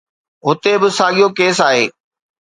هتي به ساڳيو ڪيس آهي.